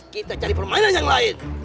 kita cari permainan yang lain